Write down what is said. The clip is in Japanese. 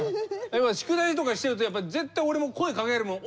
宿題とかしてるとやっぱり絶対俺も声かけるもん。